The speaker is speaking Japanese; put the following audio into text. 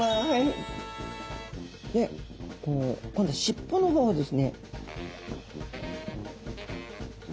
で今度尻尾の方をですね。